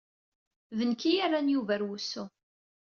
D nekk i yerran Yuba ar wusu.